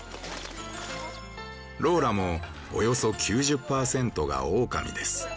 ローラもおよそ９０％がオオカミです。